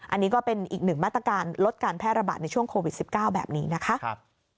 อันนี้ก็เป็นอีกหนึ่งมาตรการลดการแพร่ระบาดในช่วงโควิด๑๙แบบนี้นะคะ